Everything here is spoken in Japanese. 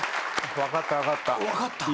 分かった分かった。